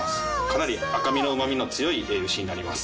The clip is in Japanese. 覆赤身のうまみの強い牛になります。